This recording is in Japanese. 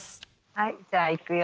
はいじゃあいくよ